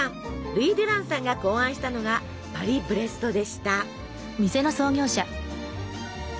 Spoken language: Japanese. ルイ・デュランさんが考案したのがパリブレストでした。